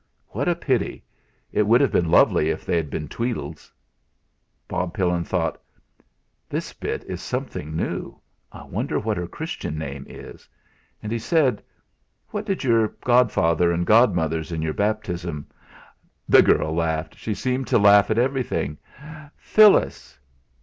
"What a pity! It would have been lovely if they'd been Tweedles." Bob Pillin thought: 'This bit is something new. I wonder what her Christian name is.' And he said: "What did your godfather and godmothers in your baptism ?" The girl laughed; she seemed to laugh at everything. "Phyllis."